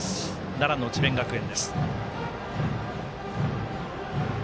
奈良の智弁学園。